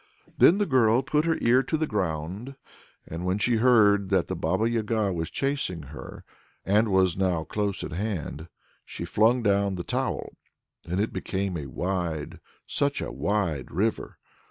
Then the girl put her ear to the ground, and when she heard that the Baba Yaga was chasing her, and was now close at hand, she flung down the towel. And it became a wide, such a wide river!